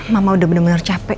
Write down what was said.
mama udah bener bener capek